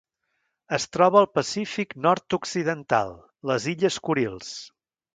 Es troba al Pacífic nord-occidental: les illes Kurils.